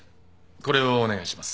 これをお願いします。